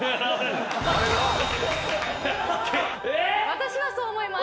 私はそう思います。